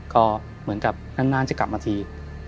ก็เหมือนกับนานจะกลับมาที